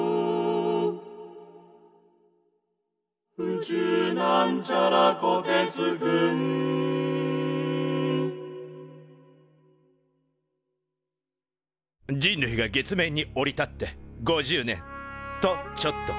「宇宙」人類が月面に降り立って５０年。とちょっと！